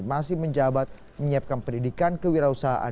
masih menjabat menyiapkan pendidikan kewirausahaan